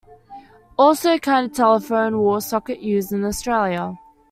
Also a kind of telephone wall socket used in Australia.